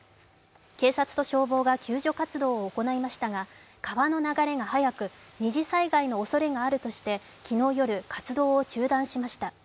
警察と消防が救助活動を行いましたが川の流が速く、二次災害のおそれがあるとして昨日夜、活動を中断しました。